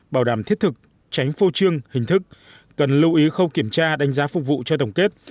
bảo đảm thiết thực tránh phô trương hình thức cần lưu ý khâu kiểm tra đánh giá phục vụ cho tổng kết